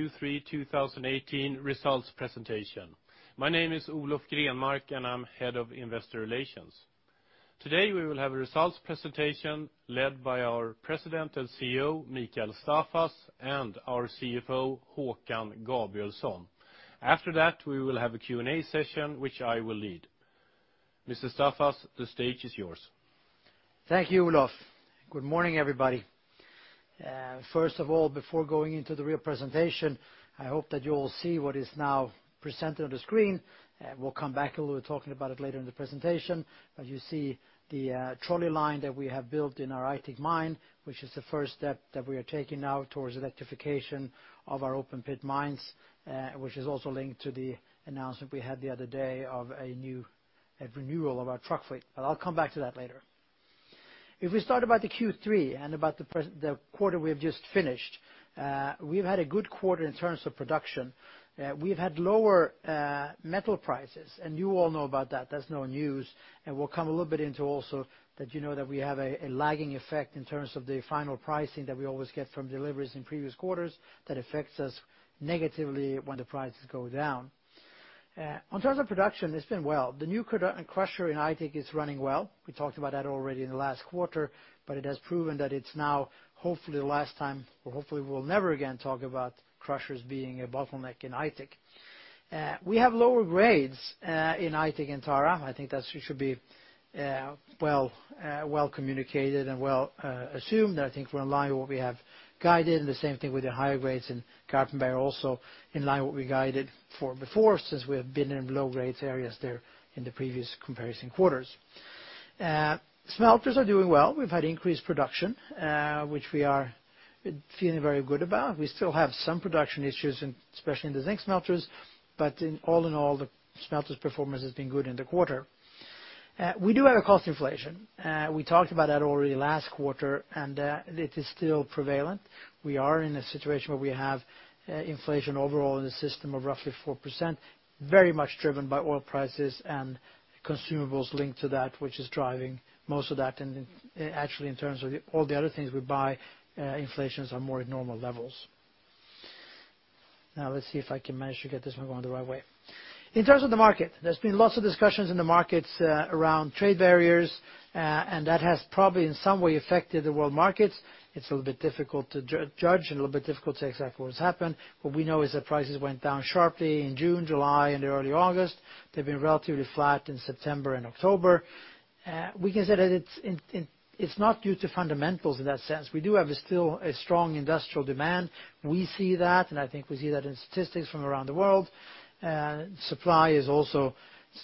Q3 2018 results presentation. My name is Olof Grenmark, and I'm Head of Investor Relations. Today, we will have a results presentation led by our President and CEO, Mikael Staffas, and our CFO, Håkan Gabrielsson. After that, we will have a Q&A session, which I will lead. Mr. Staffas, the stage is yours. Thank you, Olof. Good morning, everybody. First of all, before going into the real presentation, I hope that you all see what is now presented on the screen. We'll come back a little talking about it later in the presentation. You see the trolley line that we have built in our Aitik mine, which is the first step that we are taking now towards electrification of our open-pit mines, which is also linked to the announcement we had the other day of a renewal of our truck fleet. I'll come back to that later. If we start about the Q3 and about the quarter we have just finished, we've had a good quarter in terms of production. We've had lower metal prices, you all know about that. That's no news, we'll come a little bit into also that you know that we have a lagging effect in terms of the final pricing that we always get from deliveries in previous quarters that affects us negatively when the prices go down. On terms of production, it's been well. The new crusher in Aitik is running well. We talked about that already in the last quarter, it has proven that it's now hopefully the last time, or hopefully we'll never again talk about crushers being a bottleneck in Aitik. We have lower grades in Aitik and Tara. I think that should be well communicated and well assumed. I think we're in line with what we have guided, the same thing with the higher grades in Garpenberg also in line with what we guided for before, since we have been in low grades areas there in the previous comparison quarters. Smelters are doing well. We've had increased production, which we are feeling very good about. We still have some production issues, especially in the zinc smelters, all in all, the smelters performance has been good in the quarter. We do have a cost inflation. We talked about that already last quarter, it is still prevalent. We are in a situation where we have inflation overall in the system of roughly 4%, very much driven by oil prices and consumables linked to that, which is driving most of that. Actually, in terms of all the other things we buy, inflations are more at normal levels. Now let's see if I can manage to get this one going the right way. In terms of the market, there's been lots of discussions in the markets around trade barriers. That has probably in some way affected the world markets. It's a little bit difficult to judge and a little bit difficult to say exactly what has happened. What we know is that prices went down sharply in June, July, and early August. They've been relatively flat in September and October. We can say that it's not due to fundamentals in that sense. We do have still a strong industrial demand. We see that. I think we see that in statistics from around the world. Supply is also,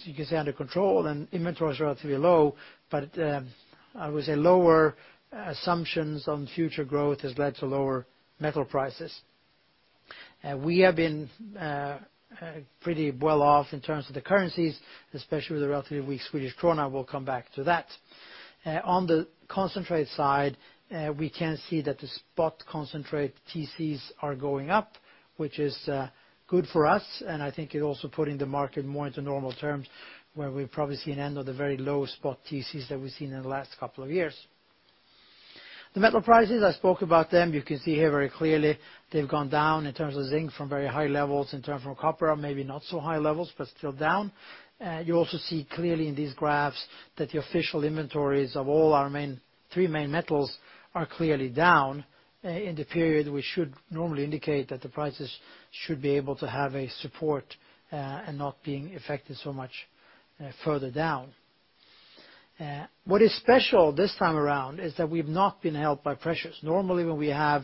you can say, under control. Inventory is relatively low. I would say lower assumptions on future growth has led to lower metal prices. We have been pretty well off in terms of the currencies, especially with the relatively weak Swedish krona. We'll come back to that. On the concentrate side, we can see that the spot concentrate TCs are going up, which is good for us. I think it also putting the market more into normal terms, where we probably see an end of the very low spot TCs that we've seen in the last couple of years. The metal prices, I spoke about them. You can see here very clearly they've gone down in terms of zinc from very high levels, in terms of copper, maybe not so high levels. Still down. You also see clearly in these graphs that the official inventories of all our three main metals are clearly down in the period, we should normally indicate that the prices should be able to have a support. Not being affected so much further down. What is special this time around is that we've not been helped by precious. Normally, when we have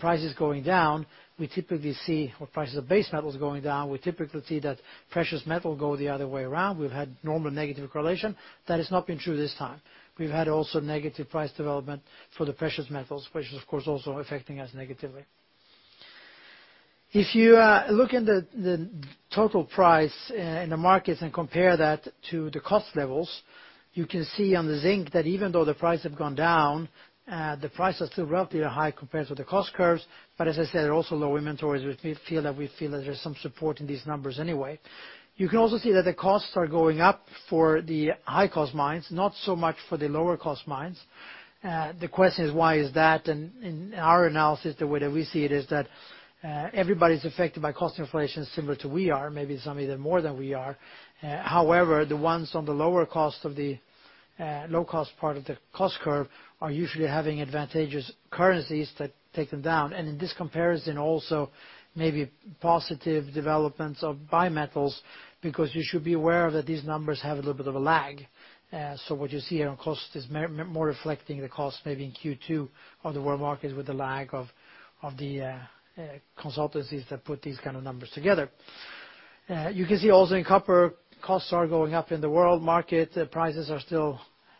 prices going down, we typically see that precious metal go the other way around. We've had normal negative correlation. That has not been true this time. We've had also negative price development for the precious metals, which is, of course, also affecting us negatively. If you look in the total price in the markets and compare that to the cost levels, you can see on the zinc that even though the price have gone down, the price are still relatively high compared to the cost curves. As I said, also low inventories, we feel that there's some support in these numbers anyway. You can also see that the costs are going up for the high-cost mines, not so much for the lower cost mines. The question is why is that? In our analysis, the way that we see it is that everybody's affected by cost inflation similar to we are, maybe some even more than we are. However, the ones on the low cost part of the cost curve are usually having advantageous currencies that take them down. In this comparison also maybe positive developments of by-metals because you should be aware that these numbers have a little bit of a lag. What you see here on cost is more reflecting the cost maybe in Q2 of the world market with the lag of the consultancies that put these kind of numbers together. You can see also in copper, costs are going up in the world market. Prices are still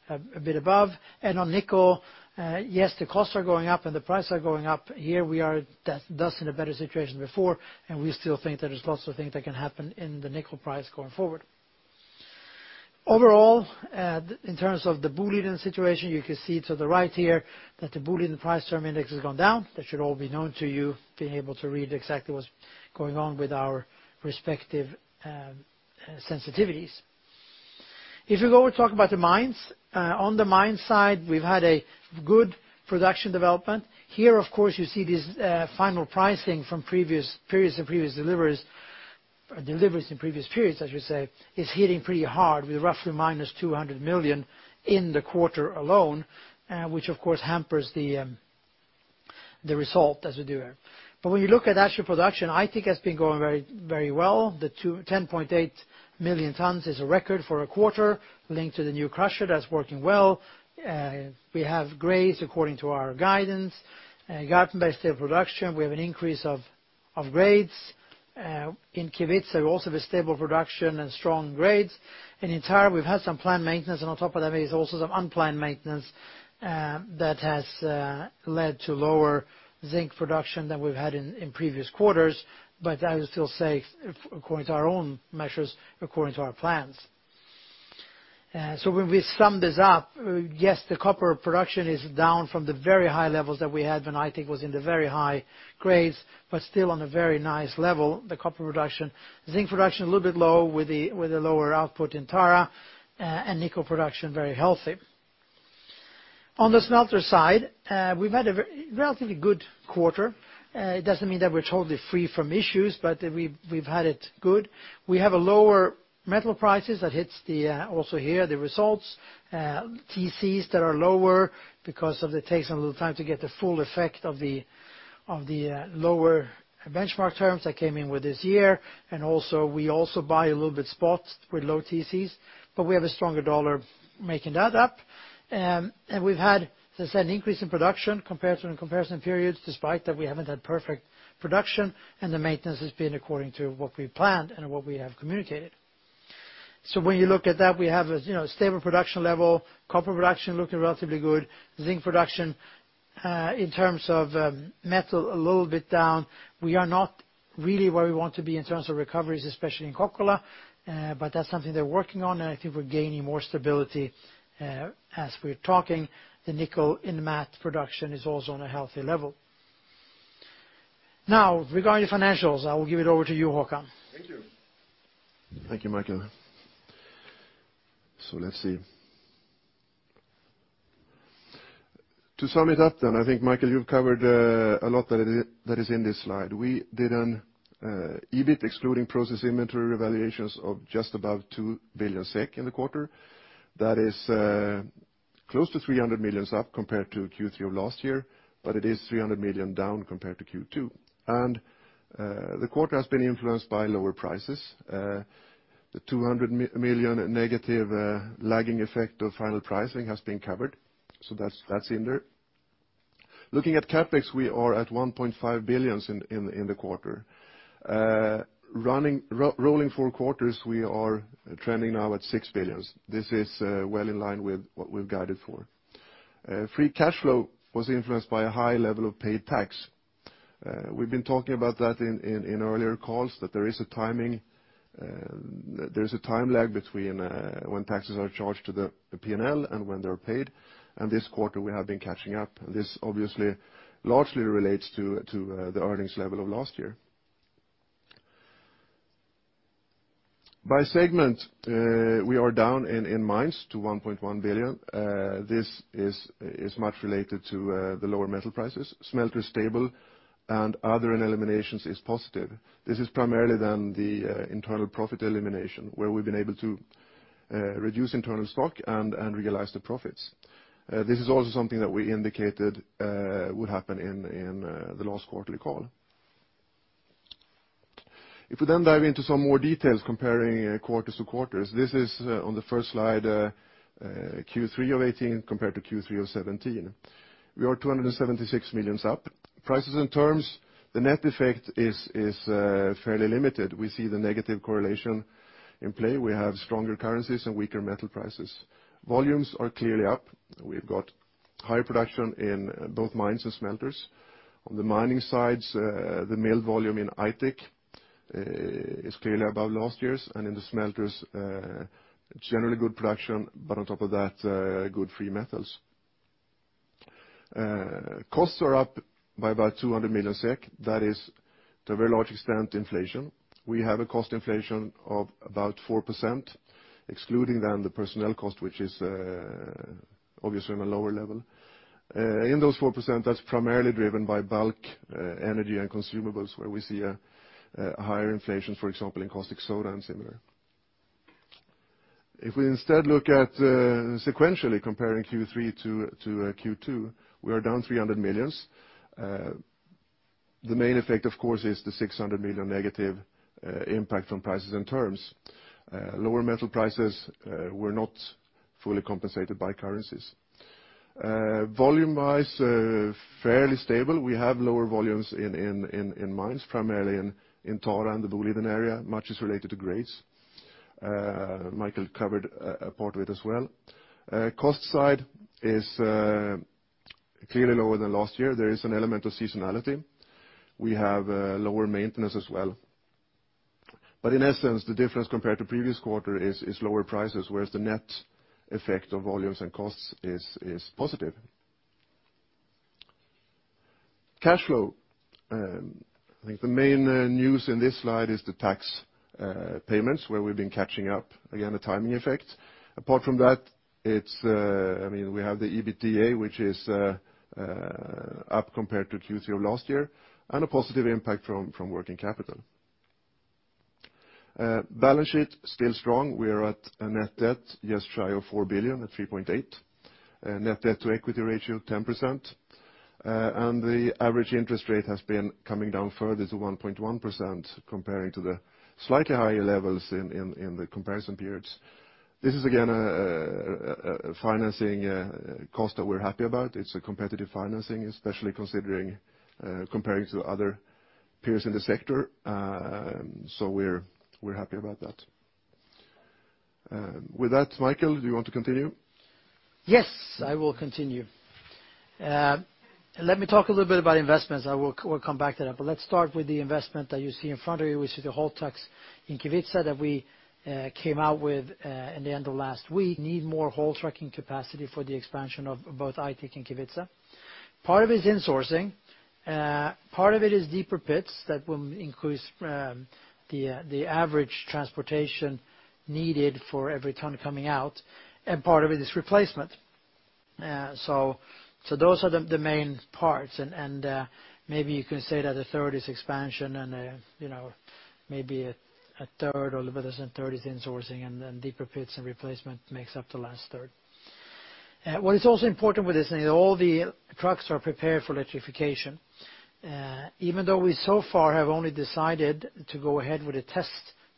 a bit above. On nickel, yes, the costs are going up and the prices are going up. Here we are thus in a better situation before, and we still think that there's lots of things that can happen in the nickel price going forward. Overall, in terms of the Boliden situation, you can see to the right here that the Boliden Price Term Index has gone down. That should all be known to you, being able to read exactly what's going on with our respective sensitivities. On the mine side, we've had a good production development. Here, of course, you see this final pricing from previous periods and previous deliveries in previous periods, I should say, is hitting pretty hard with roughly minus 200 million in the quarter alone, which of course hampers the result as we do it. When you look at actual production, Aitik has been going very well. The 10.8 million tons is a record for a quarter linked to the new crusher that's working well. We have grades according to our guidance. In Garpenberg stable production, we have an increase of grades. In Kevitsa also with stable production and strong grades. In Tara, we've had some planned maintenance, and on top of that, there's also some unplanned maintenance that has led to lower zinc production than we've had in previous quarters, but I would still say according to our own measures, according to our plans. When we sum this up, yes, the copper production is down from the very high levels that we had when Aitik was in the very high grades, but still on a very nice level, the copper production. Zinc production, a little bit low with the lower output in Tara, and nickel production very healthy. On the smelter side, we've had a relatively good quarter. It doesn't mean that we're totally free from issues, but we've had it good. We have a lower metal prices that hits also here, the results. TCs that are lower because it takes a little time to get the full effect of the lower benchmark terms that came in with this year. We also buy a little bit spot with low TCs, but we have a stronger dollar making that up. We've had, as I said, an increase in production compared to the comparison periods, despite that we haven't had perfect production, and the maintenance has been according to what we've planned and what we have communicated. When you look at that, we have a stable production level, copper production looking relatively good, zinc production, in terms of metal, a little bit down. We are not really where we want to be in terms of recoveries, especially in Kokkola, but that's something they're working on, and I think we're gaining more stability as we're talking. The nickel in matte production is also on a healthy level. Regarding financials, I will give it over to you, Håkan. Thank you. Thank you, Mikael. Let's see. To sum it up, I think, Mikael, you've covered a lot that is in this slide. We did an EBIT excluding Process Inventory Revaluations of just above 2 billion SEK in the quarter. That is close to 300 million up compared to Q3 of last year, but it is 300 million down compared to Q2. The quarter has been influenced by lower prices. The 200 million negative lagging effect of final pricing has been covered, so that's in there. Looking at CapEx, we are at 1.5 billion in the quarter. Rolling four quarters, we are trending now at 6 billion. This is well in line with what we've guided for. Free Cash Flow was influenced by a high level of paid tax. We've been talking about that in earlier calls, that there is a time lag between when taxes are charged to the P&L and when they're paid, this quarter we have been catching up. This obviously largely relates to the earnings level of last year. By segment, we are down in mines to 1.1 billion. This is much related to the lower metal prices. Smelter is stable, other and eliminations is positive. This is primarily the internal profit elimination, where we've been able to reduce internal stock and realize the profits. This is also something that we indicated would happen in the last quarterly call. If we dive into some more details comparing quarters to quarters, this is on the first slide, Q3 2018 compared to Q3 2017. We are 276 million up. Prices and terms, the net effect is fairly limited. We see the negative correlation in play. We have stronger currencies and weaker metal prices. Volumes are clearly up. We've got high production in both mines and smelters. On the mining sides, the milled volume in Aitik is clearly above last year's, and in the smelters, generally good production, but on top of that, good free metals. Costs are up by about 200 million SEK. That is to a very large extent inflation. We have a cost inflation of about 4%, excluding the personnel cost, which is obviously on a lower level. In those 4%, that's primarily driven by bulk energy and consumables, where we see a higher inflation, for example, in caustic soda and similar. If we instead look at sequentially comparing Q3 to Q2, we are down 300 million. The main effect, of course, is the 600 million negative impact on prices and terms. Lower metal prices were not fully compensated by currencies. Volume-wise, fairly stable. We have lower volumes in mines, primarily in Tara and the Boliden Area. Much is related to grades. Mikael covered a part of it as well. Cost side is clearly lower than last year. There is an element of seasonality. We have lower maintenance as well. But in essence, the difference compared to previous quarter is lower prices, whereas the net effect of volumes and costs is positive. Cash flow. I think the main news in this slide is the tax payments, where we've been catching up. Again, a timing effect. Apart from that, we have the EBITDA, which is up compared to Q3 of last year, and a positive impact from working capital. Balance sheet still strong. We are at a net debt just shy of 4 billion, at 3.8 billion. Net Debt to Equity Ratio of 10%, and the average interest rate has been coming down further to 1.1% comparing to the slightly higher levels in the comparison periods. This is again a financing cost that we're happy about. It's a competitive financing, especially considering comparing to other peers in the sector. So we're happy about that. With that, Mikael, do you want to continue? Yes, I will continue. Let me talk a little bit about investments. I will come back to that, but let's start with the investment that you see in front of you, we see the haul trucks in Kevitsa that we came out with in the end of last week. Need more haul trucking capacity for the expansion of both Aitik and Kevitsa. Part of it is insourcing, part of it is deeper pits that will increase the average transportation needed for every ton coming out, and part of it is replacement. So those are the main parts and maybe you can say that a third is expansion and maybe a third or a little bit less than a third is insourcing and deeper pits and replacement makes up the last third. What is also important with this, all the trucks are prepared for electrification. Even though we so far have only decided to go ahead with a test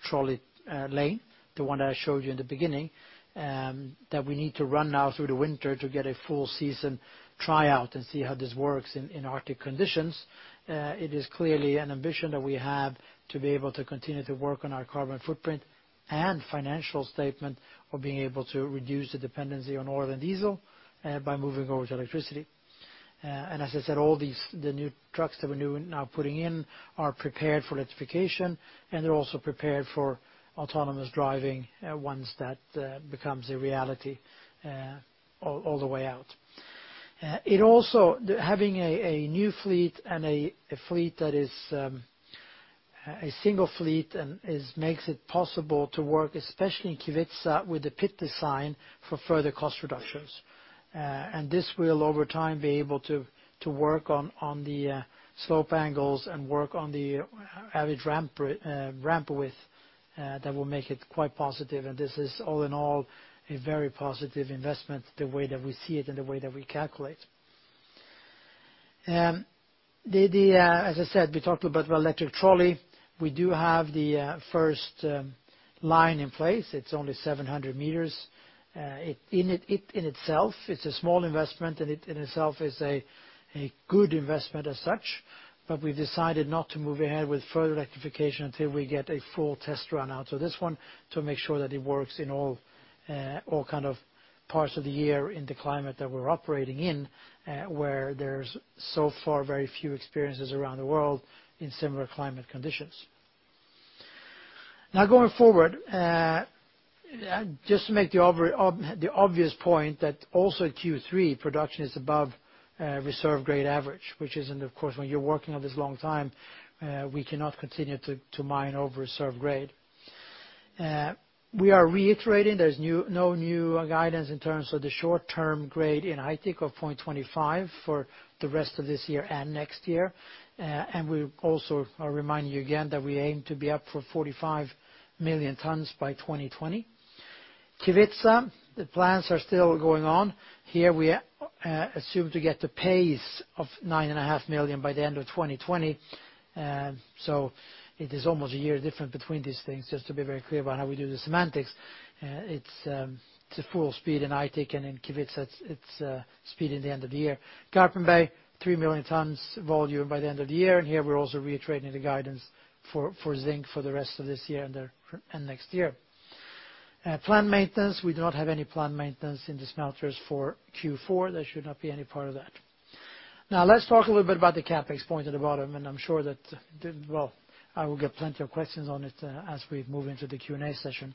trolley line, the one that I showed you in the beginning, that we need to run now through the winter to get a full season tryout and see how this works in Arctic conditions. It is clearly an ambition that we have to be able to continue to work on our carbon footprint and financial statement of being able to reduce the dependency on oil and diesel by moving over to electricity. And as I said, all the new trucks that we're now putting in are prepared for electrification, and they're also prepared for autonomous driving once that becomes a reality all the way out. Also, having a new fleet and a fleet that is a single fleet makes it possible to work, especially in Kevitsa, with the pit design for further cost reductions. This will, over time, be able to work on the slope angles and work on the average ramp width that will make it quite positive, and this is all in all a very positive investment the way that we see it and the way that we calculate. As I said, we talked about the electric trolley. We do have the first line in place. It's only 700 meters. In itself, it's a small investment and in itself is a good investment as such, but we've decided not to move ahead with further electrification until we get a full test run out of this one to make sure that it works in all kind of parts of the year in the climate that we're operating in, where there's so far very few experiences around the world in similar climate conditions. Going forward, just to make the obvious point that also Q3 production is above reserve grade average, which isn't, of course, when you're working on this long time we cannot continue to mine over reserve grade. We are reiterating there's no new guidance in terms of the short-term grade in Aitik of 0.25 for the rest of this year and next year. We also are reminding you again that we aim to be up for 45 million tons by 2020. Kevitsa, the plans are still going on. Here we assume to get the pace of 9.5 million by the end of 2020. It is almost a year different between these things, just to be very clear about how we do the semantics. It's full speed in Aitik and in Kevitsa it's speed in the end of the year. Garpenberg, 3 million tons volume by the end of the year, here we're also reiterating the guidance for zinc for the rest of this year and next year. Planned maintenance, we do not have any planned maintenance in the smelters for Q4. There should not be any part of that. Let's talk a little bit about the CapEx point at the bottom, I'm sure that I will get plenty of questions on it as we move into the Q&A session.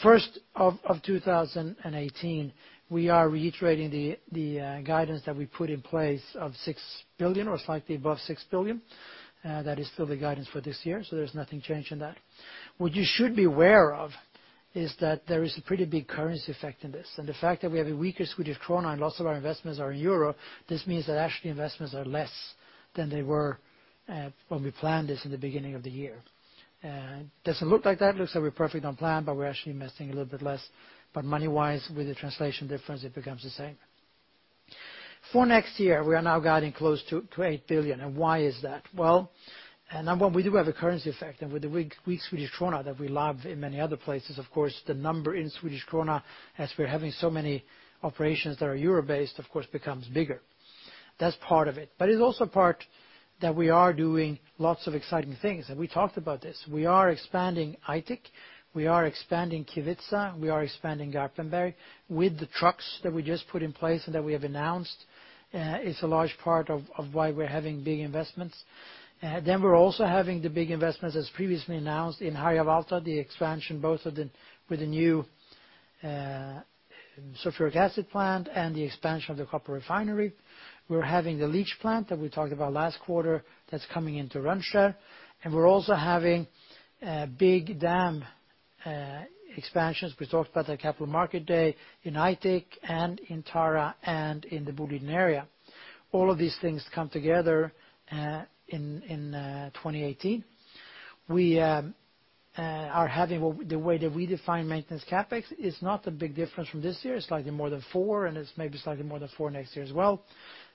First of 2018, we are reiterating the guidance that we put in place of 6 billion or slightly above 6 billion. That is still the guidance for this year, there's nothing changed in that. What you should be aware of is that there is a pretty big currency effect in this, the fact that we have a weaker Swedish krona and lots of our investments are in EUR, this means that actually investments are less than they were when we planned this in the beginning of the year. Doesn't look like that, looks like we're perfect on plan, but we're actually investing a little bit less. Money-wise, with the translation difference, it becomes the same. For next year, we are now guiding close to 8 billion, why is that? Number one, we do have a currency effect, with the weak Swedish krona that we love in many other places, of course, the number in Swedish krona, as we're having so many operations that are EUR-based, of course, becomes bigger. That's part of it. It's also part that we are doing lots of exciting things, and we talked about this. We are expanding Aitik, we are expanding Kevitsa, we are expanding Garpenberg with the trucks that we just put in place and that we have announced is a large part of why we're having big investments. We're also having the big investments, as previously announced, in Harjavalta, the expansion both with the new sulfuric acid plant and the expansion of the copper refinery. We're having the leach plant that we talked about last quarter that's coming into Rönnskär, and we're also having big dam expansions. We talked about the Capital Markets Day in Aitik and in Tara and in the Boliden area. All of these things come together in 2018. We are having the way that we define Maintenance CapEx is not a big difference from this year. It's slightly more than four, and it's maybe slightly more than four next year as well.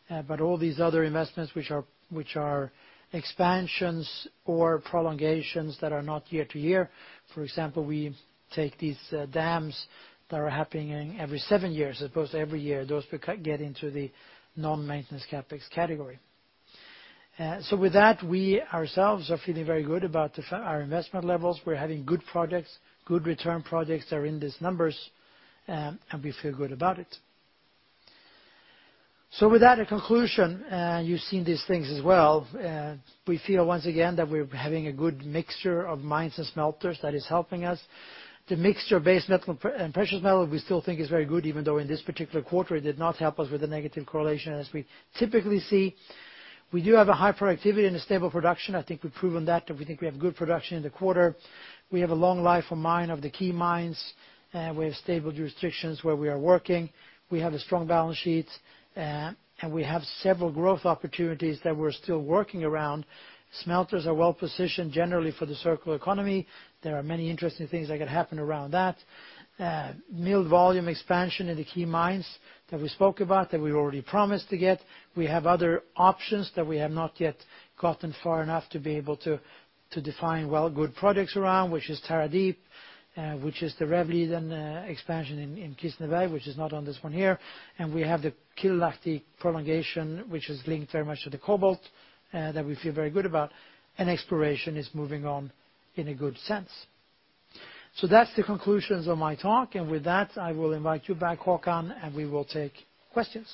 All these other investments, which are expansions or prolongations that are not year to year. For example, we take these dams that are happening every seven years as opposed to every year. Those get into the Non-maintenance CapEx category. With that, we ourselves are feeling very good about our investment levels. We're having good projects, good return projects that are in these numbers, and we feel good about it. With that, a conclusion, you've seen these things as well. We feel once again that we're having a good mixture of mines and smelters that is helping us. The mixture of base metal and precious, we still think is very good, even though in this particular quarter it did not help us with the negative correlation as we typically see. We do have a high productivity and a stable production. I think we've proven that, and we think we have good production in the quarter. We have a long life of mine of the key mines. We have stable jurisdictions where we are working. We have a strong balance sheet, and we have several growth opportunities that we're still working around. Smelters are well-positioned generally for the circular economy. There are many interesting things that could happen around that. Mill volume expansion in the key mines that we spoke about, that we already promised to get. We have other options that we have not yet gotten far enough to be able to define well good projects around, which is Tara Deep, which is the Rävliden expansion in Kristineberg which is not on this one here. We have the Kylylahti prolongation, which is linked very much to the cobalt, that we feel very good about. Exploration is moving on in a good sense. That's the conclusions of my talk, and with that, I will invite you back, Håkan, and we will take questions.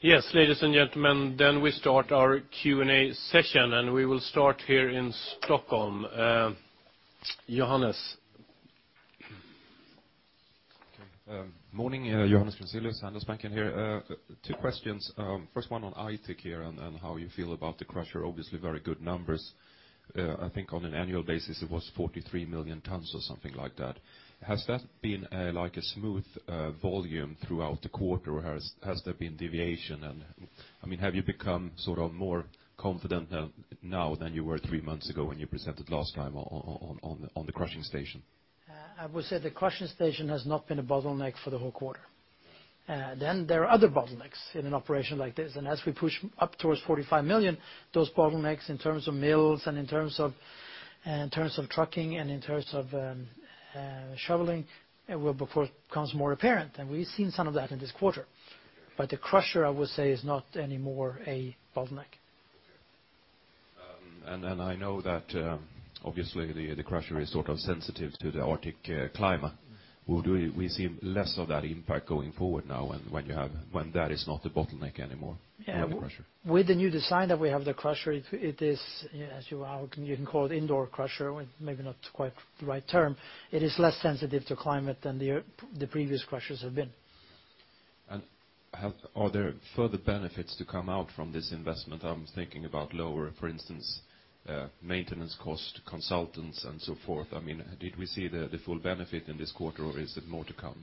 Yes, ladies and gentlemen, we start our Q&A session, and we will start here in Stockholm. Johannes. Okay. Morning. Johannes Grunselius, Handelsbanken here. Two questions. First one on Aitik here and how you feel about the crusher. Obviously very good numbers. I think on an annual basis it was 43 million tons or something like that. Has that been a smooth volume throughout the quarter, or has there been deviation? Have you become more confident now than you were three months ago when you presented last time on the crushing station? I would say the crushing station has not been a bottleneck for the whole quarter. There are other bottlenecks in an operation like this. As we push up towards 45 million, those bottlenecks in terms of mills and in terms of trucking and in terms of shoveling will become more apparent. We've seen some of that in this quarter. The crusher, I would say, is not any more a bottleneck. Okay. I know that obviously the crusher is sort of sensitive to the Arctic climate. Would we see less of that impact going forward now when that is not a bottleneck anymore with the crusher? With the new design that we have the crusher, it is, as you can call it, indoor crusher, maybe not quite the right term. It is less sensitive to climate than the previous crushers have been. Are there further benefits to come out from this investment? I am thinking about lower, for instance maintenance cost, consultants, and so forth. Did we see the full benefit in this quarter, or is it more to come?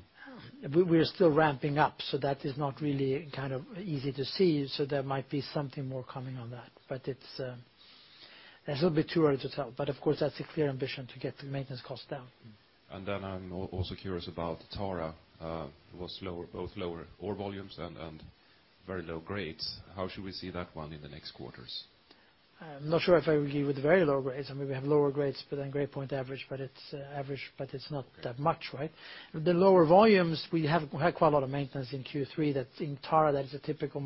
We are still ramping up, that is not really kind of easy to see. There might be something more coming on that. It is a little bit too early to tell. Of course, that is a clear ambition to get the maintenance cost down. I am also curious about Tara. It was both lower ore volumes and very low grades. How should we see that one in the next quarters? I'm not sure if I agree with very low grades. We have lower grades, but then grade point average, but it's average, but it's not that much, right? The lower volumes, we have had quite a lot of maintenance in Q3. In Tara, that is a typical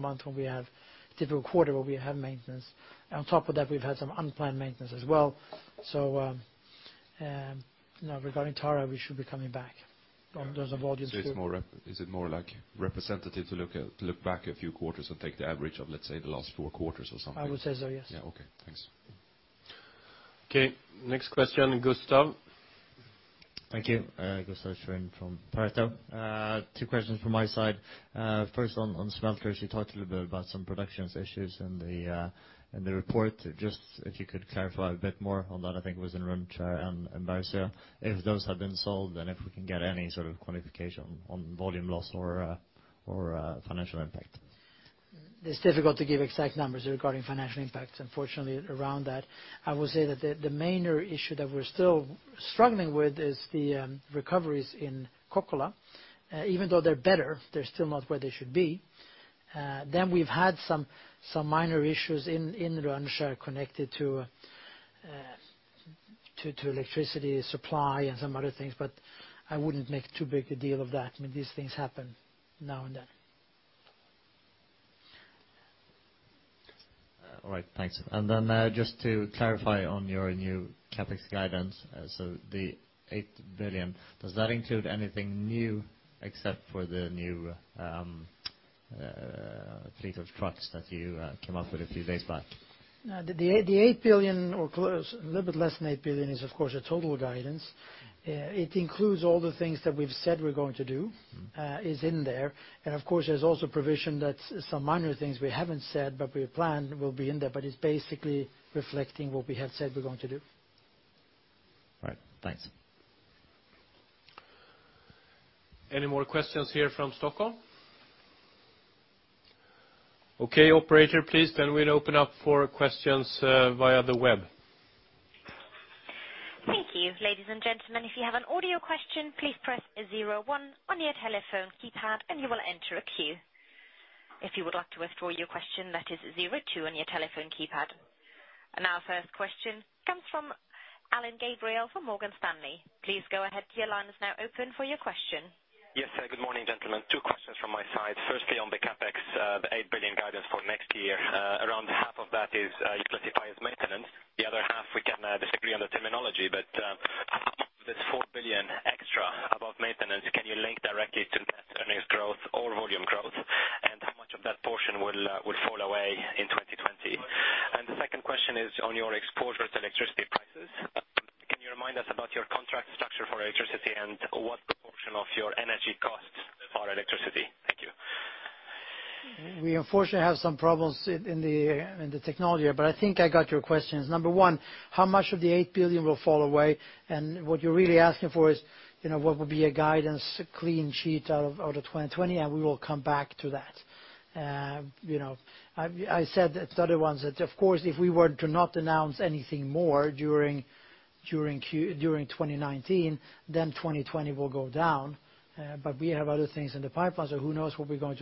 quarter where we have maintenance. On top of that, we've had some unplanned maintenance as well. Regarding Tara, we should be coming back on those volumes. Is it more representative to look back a few quarters and take the average of, let's say, the last four quarters or something? I would say so, yes. Yeah. Okay, thanks. Okay, next question, Gustaf. Thank you. Gustaf Schwerin from Pareto. Two questions from my side. First on smelters, you talked a little bit about some production issues in the report. Just if you could clarify a bit more on that, I think it was in Rönnskär and Boliden. If those have been solved and if we can get any sort of quantification on volume loss or financial impact. It's difficult to give exact numbers regarding financial impacts, unfortunately, around that. I would say that the main issue that we're still struggling with is the recoveries in Kokkola. Even though they're better, they're still not where they should be. We've had some minor issues in Rönnskär connected to electricity supply and some other things, I wouldn't make too big a deal of that. These things happen now and then. All right, thanks. Just to clarify on your new CapEx guidance, the eight billion, does that include anything new except for the new fleet of trucks that you came up with a few days back. The 8 billion or a little bit less than 8 billion is, of course, the total guidance. It includes all the things that we've said we're going to do, is in there. Of course, there's also provision that some minor things we haven't said, but we have planned will be in there, but it's basically reflecting what we have said we're going to do. All right. Thanks. Any more questions here from Stockholm? Okay, operator, please then we'll open up for questions via the web. Thank you. Ladies and gentlemen, if you have an audio question, please press 01 on your telephone keypad and you will enter a queue. If you would like to withdraw your question, that is 02 on your telephone keypad. Our first question comes from Alain Gabriel from Morgan Stanley. Please go ahead. Your line is now open for your question. Yes. Good morning, gentlemen. Two questions from my side. Firstly, on the CapEx, the 8 billion guidance for next year. Around half of that you classify as maintenance. The other half we can disagree on the terminology, but this 4 billion extra above maintenance, can you link directly to net earnings growth or volume growth? How much of that portion will fall away in 2020? The second question is on your exposure to electricity prices. Can you remind us about your contract structure for electricity and what proportion of your energy costs are electricity? Thank you. We unfortunately have some problems in the technology, but I think I got your questions. Number one, how much of the 8 billion will fall away? What you're really asking for is what would be a guidance, a clean sheet out of 2020, and we will come back to that. I said at the other ones that, of course, if we were to not announce anything more during 2019, 2020 will go down. We have other things in the pipeline, who knows what we're going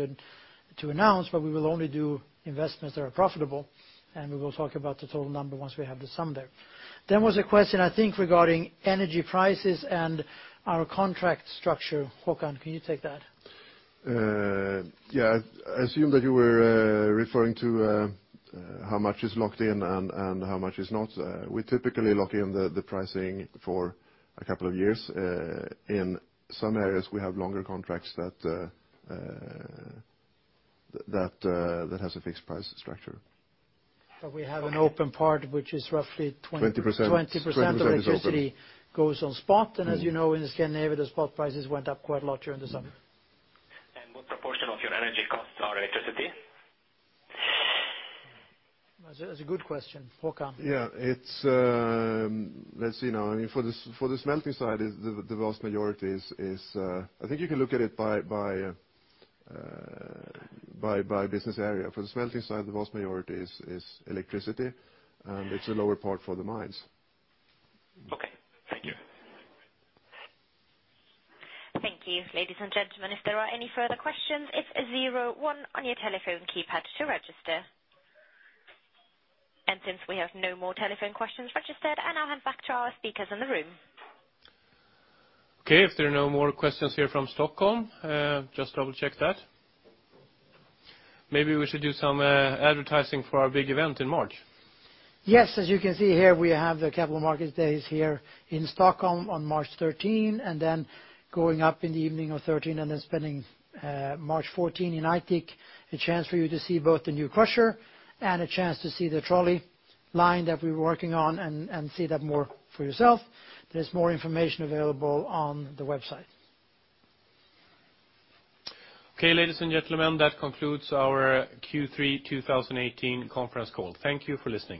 to announce, we will only do investments that are profitable, we will talk about the total number once we have the sum there. Was a question, I think, regarding energy prices and our contract structure. Håkan, can you take that? Yeah. I assume that you were referring to how much is locked in and how much is not. We typically lock in the pricing for a couple of years. In some areas, we have longer contracts that has a fixed price structure. We have an open part, which is roughly- 20% 20% of electricity goes on spot, as you know, in Scandinavia, the spot prices went up quite a lot during the summer. What proportion of your energy costs are electricity? That's a good question. Håkan? Yeah. Let's see now. For the smelting side, the vast majority is, I think you can look at it by business area. For the smelting side, the vast majority is electricity, it's a lower part for the mines. Okay. Thank you. Thank you. Ladies and gentlemen, if there are any further questions, it is 1 on your telephone keypad to register. Since we have no more telephone questions registered, I now hand back to our speakers in the room. Okay, if there are no more questions here from Stockholm, just double check that. Maybe we should do some advertising for our big event in March. Yes, as you can see here, we have the Capital Markets Day here in Stockholm on March 13. Then going up in the evening of 13th, then spending March 14 in Aitik. A chance for you to see both the new crusher and a chance to see the trolley line that we are working on and see that more for yourself. There is more information available on the website. Okay, ladies and gentlemen, that concludes our Q3 2018 conference call. Thank you for listening.